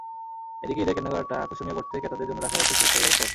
এদিকে ঈদের কেনাকাটা আকর্ষণীয় করতে ক্রেতাদের জন্য রাখা হয়েছে পুরস্কারের ব্যবস্থাও।